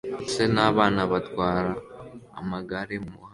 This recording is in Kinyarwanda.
Se hamwe nabana batwara amagare mumuhanda